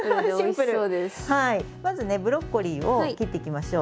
まずねブロッコリーを切っていきましょう。